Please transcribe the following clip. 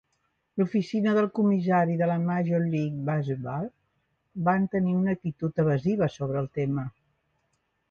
L'oficina del comissari de la Major League Baseball van tenir una actitud evasiva sobre el tema.